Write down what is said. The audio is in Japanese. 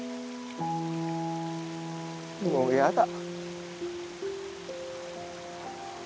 もうやだ。